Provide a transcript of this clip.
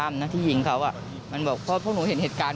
มีการฆ่ากันห้วย